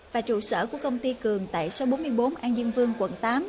và trụ sở của công ty cường tại số bốn mươi bốn an dương vương quận tám